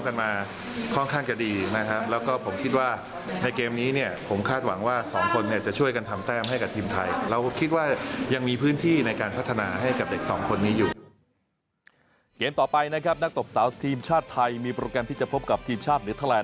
นักตบสาวทีมชาติไทยมีโปรแกรมที่จะพบกับทีมชาตินึกทะลาน